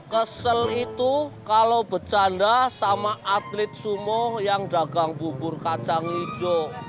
kesel itu kalau bercanda sama atlet sumoh yang dagang bubur kacang hijau